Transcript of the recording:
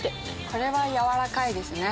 これは軟らかいですね。